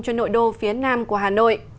cho nội đô phía nam của hà nội